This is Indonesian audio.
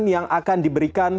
yang akan diberikan